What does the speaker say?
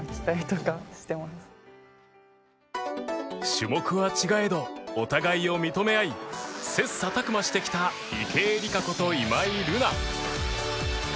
種目は違えどお互いを認め合い切磋琢磨してきた池江璃花子と今井月